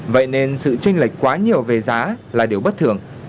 vậy nên sự tranh lệch quá nhiều về giá là điều bất thường